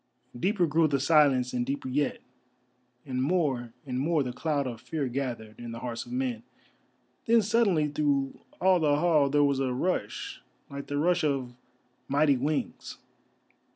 Deeper grew the silence and deeper yet, and more and more the cloud of fear gathered in the hearts of men. Then suddenly through all the hall there was a rush like the rush of mighty wings.